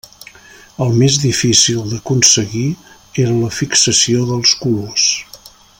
El més difícil d’aconseguir era la fixació dels colors.